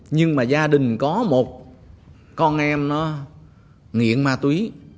nhưng mà gia đình có một con em nó nghiện ma túy